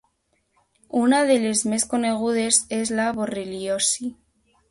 Una de les més conegudes és la borreliosi.